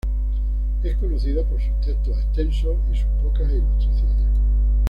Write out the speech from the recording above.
Es conocido por sus textos extensos y sus pocas ilustraciones.